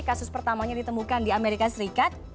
kasus pertamanya ditemukan di amerika serikat